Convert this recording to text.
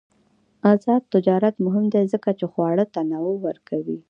آزاد تجارت مهم دی ځکه چې خواړه تنوع ورکوي.